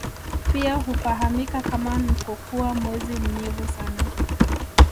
Pia hufahamika kama Nkokua mwezi mnyevu sana